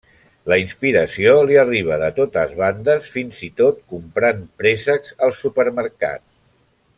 La inspiració li arriba de totes bandes, fins i tot comprant préssecs al supermercat.